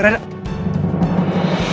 aku nggak mau